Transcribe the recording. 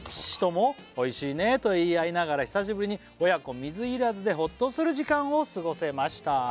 「父ともおいしいねと言い合いながら」「久しぶりに親子水入らずでホッとする時間を過ごせました」